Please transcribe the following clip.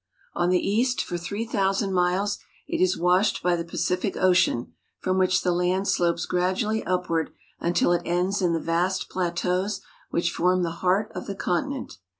On the east, for three thousand miles, it is washed by the Pacific Ocean, from which the land slopes gradually up ward until it ends in the vast plateaus which form the heart of the continent.